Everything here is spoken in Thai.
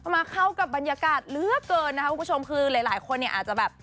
มาเข้ากับบรรยากาศเลือกเกินคุณผู้ชมคือหลายคนอาจจะแบบ